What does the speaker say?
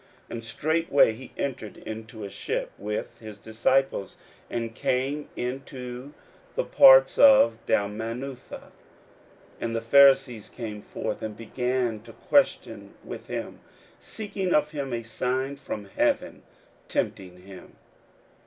41:008:010 And straightway he entered into a ship with his disciples, and came into the parts of Dalmanutha. 41:008:011 And the Pharisees came forth, and began to question with him, seeking of him a sign from heaven, tempting him.